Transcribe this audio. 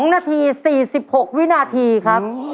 ๒นาที๔๖วินาทีครับ